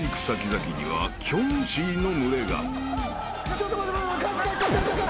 ちょっと待って待って返す返す。